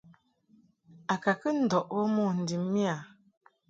I ka kɨ ndɔʼ bə mo ndib miƴa.